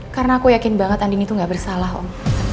karena aku yakin banget andini tuh gak bersalah om